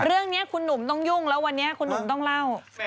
เรื่องนี้คุณหนุ่มต้องยุ่งแล้ววันนี้คุณหนุ่มต้องเล่า